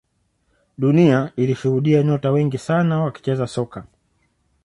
dunia ilishuhudia nyota wengi sana wakicheza soka